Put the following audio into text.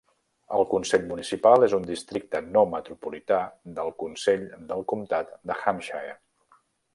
El consell municipal és un districte no metropolità del consell del comtat de Hampshire.